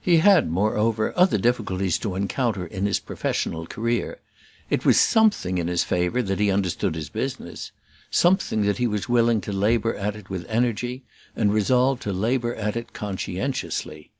He had, moreover, other difficulties to encounter in his professional career. It was something in his favour that he understood his business; something that he was willing to labour at it with energy; and resolved to labour at it conscientiously.